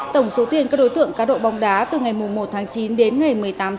tổng số tiền các đối tượng cá độ bóng đá từ ngày một tháng chín đến ngày một mươi tám tháng chín